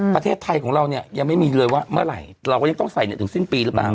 ประเทศไทยของเราเนี่ยยังไม่มีเลยว่าเมื่อไหร่เราก็ยังต้องใส่เนี่ยถึงสิ้นปีหรือเปล่า